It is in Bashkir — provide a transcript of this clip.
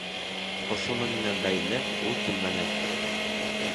Ошоноң менән бәйле ул килмәне.